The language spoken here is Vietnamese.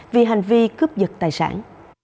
vì hành vi cướp dật tài sản